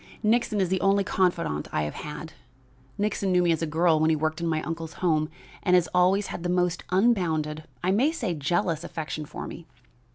"Nixon is the only confidant I have had. Nixon knew me as a girl when he worked in my uncle's home, and has always had the most unbounded, I may say jealous, affection for me.